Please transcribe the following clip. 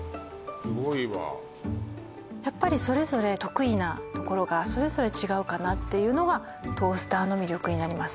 すごいわやっぱりそれぞれ得意なところがそれぞれ違うかなっていうのがトースターの魅力になります